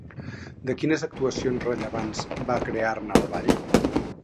De quines actuacions rellevants va crear-ne el ball?